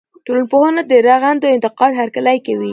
ټولنپوهنه د رغنده انتقاد هرکلی کوي.